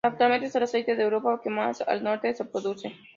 Actualmente es el aceite de Europa que más al norte se produce.